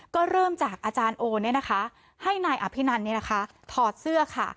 ก็เริ่มจากอาจารย์โอเนี่ยนะคะให้นายอภินัลเนี่ยนะคะถอดเสื้อค่ะ